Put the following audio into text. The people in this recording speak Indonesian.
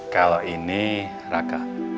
kalau ini raka